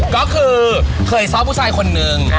ก็คือเคยซ้อมผู้ชายคนนึง